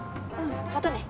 またね。